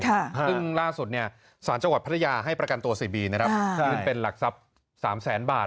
ซึ่งล่าสุดสารจังหวัดพัทยาให้ประกันตัวเสียบียืนเป็นหลักทรัพย์๓๐๐๐๐๐บาท